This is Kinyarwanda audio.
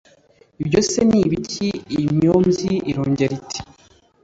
Ibyo se ni ibiki inyombyi irongera iti